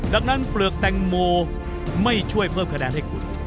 ดังนั้นเปลือกแตงโมไม่ช่วยเพิ่มคะแนนให้คุณ